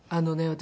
私